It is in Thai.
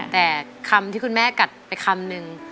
แต่คำที่คุณแม่กัดไปคำนึง